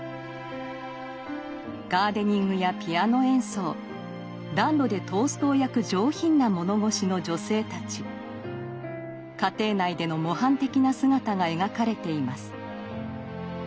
ガーデニングやピアノ演奏暖炉でトーストを焼く上品な物腰の女性たち家庭内での模範的な姿が描かれています。